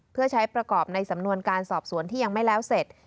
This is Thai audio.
เพื่อใช้ประกอบในสำนวนการสอบสวนที่ยังไม่แล้วเสร็จ